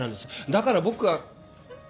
だから僕は。